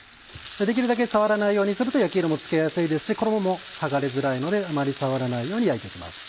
できるだけ触らないようにすると焼き色もつきやすいですし衣も剥がれづらいのであまり触らないように焼いて行きます。